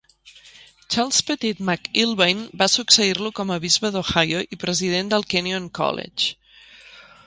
Charles Pettit McIlvaine va succeir-lo com a bisbe d'Ohio i president del Kenyon College.